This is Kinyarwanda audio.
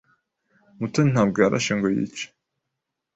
Mutoni ntabwo yarashe ngo yice.